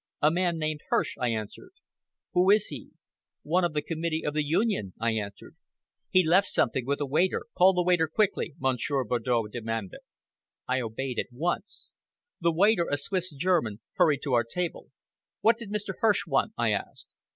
"A man named Hirsch," I answered. "Who is he?" "One of the committee of the Union," I answered. "He left something with a waiter. Call the waiter quickly," Monsieur Bardow demanded. I obeyed at once. The waiter, a Swiss German, hurried to our table. "What did Mr. Hirsch want?" I asked.